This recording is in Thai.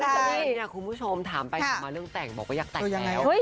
นี่คุณผู้ชมถามไปอาจอะไรยังแต่งก็บอกว่าอยากแต่งแล้ว